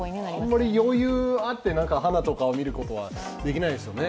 あまり余裕あって、花とかを見ることはできないですね。